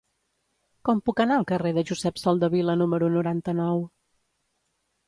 Com puc anar al carrer de Josep Soldevila número noranta-nou?